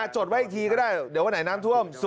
จดไว้อีกทีก็ได้เดี๋ยววันไหนน้ำท่วม